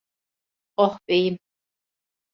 Oh beyim…